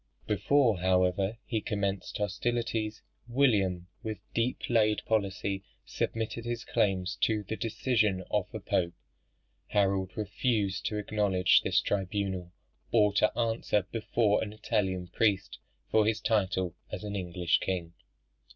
Before, however, he commenced hostilities, William, with deep laid policy submitted his claims to the decision of the Pope. Harold refused to acknowledge this tribunal, or to answer before an Italian priest for his title as an English king.